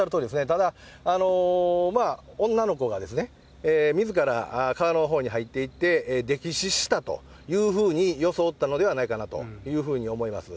ただ、女の子が、みずから川のほうに入っていって、溺死したというふうに装ったのではないかなと思います。